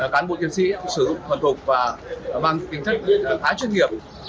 cán bộ chiến sĩ sử dụng thuần thuộc và mang tính chất là khá chuyên nghiệp